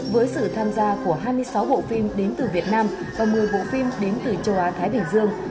với sự tham gia của hai mươi sáu bộ phim đến từ việt nam và một mươi bộ phim đến từ châu á thái bình dương